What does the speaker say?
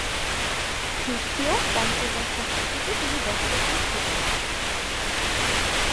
খ্রীষ্টীয় পঞ্চদশ শতাব্দীতে তিনি বর্তমান ছিলেন।